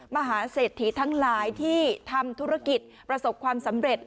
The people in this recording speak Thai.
มหาเศรษฐีทั้งหลายที่ทำธุรกิจประสบความสำเร็จ